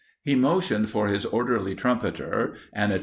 He motioned for his orderly trum 58 1 Lt.